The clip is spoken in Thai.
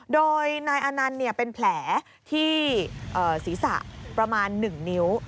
โดยนายอานันต์เป็นแผลที่ศีรษะประมาณ๑นิ้ว